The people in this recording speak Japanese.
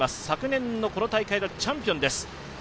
昨年のこの大会のチャンピオンです。